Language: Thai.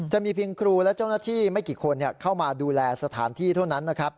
จะมีเพียงครูและเจ้าหน้าที่ไม่กี่คนเข้ามาดูแลสถานที่เท่านั้นนะครับ